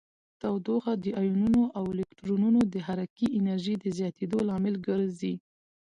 تودوخه د ایونونو او الکترونونو د حرکې انرژي د زیاتیدو لامل ګرځي.